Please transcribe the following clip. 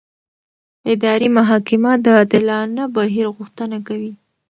اداري محاکمه د عادلانه بهیر غوښتنه کوي.